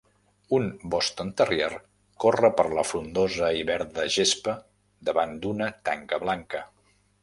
Un Boston Terrier corre per la frondosa i verda gespa davant d'una tanca blanca.